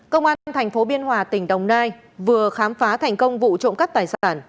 công an thành phố biên hòa tỉnh đồng nai vừa khám phá thành công vụ trộm cắp tài sản